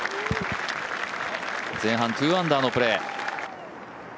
前半２アンダーのプレー。